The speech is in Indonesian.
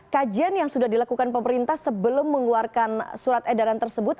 kajian yang sudah dilakukan pemerintah sebelum mengeluarkan surat edaran tersebut